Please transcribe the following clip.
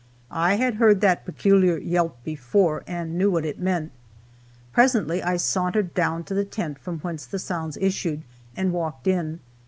I had heard that peculiar yelp before, and knew what it meant. Presently I sauntered down to the tent from whence the sounds issued, and walked in.